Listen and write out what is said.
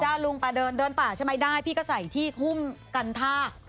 กดด่าใช่ไหมได้พี่ก็ใส่ที่หุ้มกับท่า